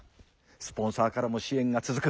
スポンサーからも支援が続く。